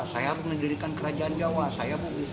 saya harus mendirikan kerajaan jawa saya bukit